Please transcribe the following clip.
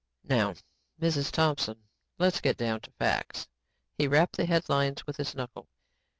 "Now, Mrs. Thompson, let's get down to facts," he rapped the headlines with a knuckle.